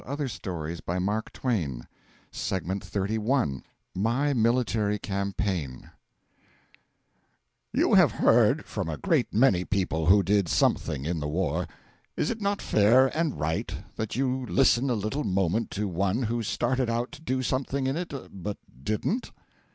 M.T. (1) Sidgwick, Greek Prose Composition, page 116 MY MILITARY CAMPAIGN You have heard from a great many people who did something in the war; is it not fair and right that you listen a little moment to one who started out to do something in it, but didn't?